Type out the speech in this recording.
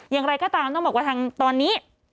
อย่างไรก็ตามต้องบอกว่าทางตอนนี้